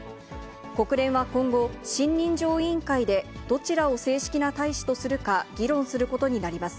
国連は今後、信任状委員会でどちらを正式な大使とするか議論することになります。